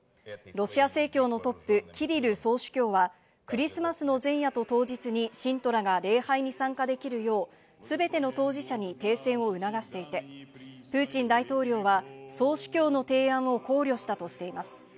ロシア正教のトップ、キリル総主教はクリスマスの前夜と当日に信徒らが礼拝に参加できるよう、すべての当事者に停戦を促していて、プーチン大統領は総主教の提案を考慮したとしています。